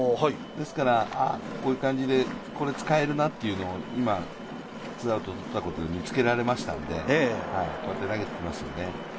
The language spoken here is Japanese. ですからこういう感じでこれ、使えるなという感じを今のツーアウトとったことで見つけられましたので、こうやって投げてきますよね。